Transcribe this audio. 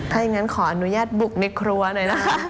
ถ้าอย่างนั้นขออนุญาตบุกในครัวหน่อยนะคะ